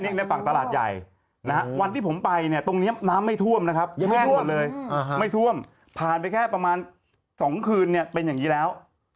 นี่ในฝั่งตลาดใหญ่นะฮะวันที่ผมไปเนี่ยตรงนี้น้ำไม่ท่วมนะครับยังไม่ท่วมเลยไม่ท่วมผ่านไปแค่ประมาณ๒คืนเนี่ยเป็นอย่างนี้แล้ว